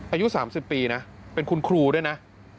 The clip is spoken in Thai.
อายุ๓๐ปีนะเป็นคุณครูด้วยนะ